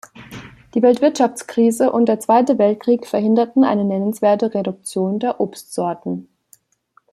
Die Weltwirtschaftskrise und der Zweite Weltkrieg verhinderten eine nennenswerte Reduktion der Obstsorten.